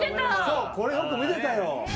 そうこれよく見てたよ